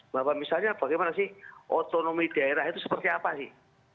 bahwa misalnya bagaimana sih otonomi daerah itu seperti apa sih